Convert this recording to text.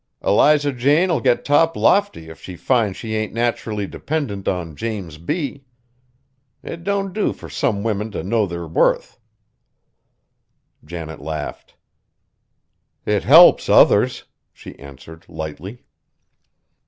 Eliza Jane'll get top lofty if she finds she ain't naturally dependent on James B. It don't do fur some women t' know their wuth." Janet laughed. "It helps others!" she answered lightly.